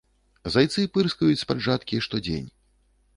Зайцы пырскаюць з-пад жаткі штодзень.